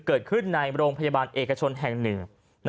เกิดขึ้นในโรงพยาบาลเอกชนแห่งหนึ่ง